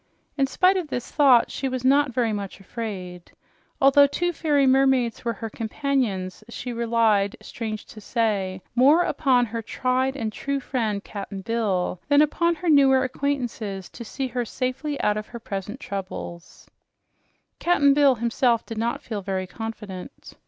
In spite of this thought, she was not very much afraid. Although two fairy mermaids were her companions, she relied, strange to say, more upon her tried and true friend, Cap'n Bill, than upon her newer acquaintances to see her safely out of her present trouble. Cap'n Bill himself did not feel very confident.